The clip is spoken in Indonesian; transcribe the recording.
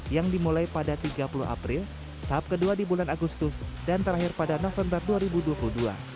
yang dimulai pada tiga puluh april tahap kedua di bulan agustus dan terakhir pada november dua ribu dua puluh dua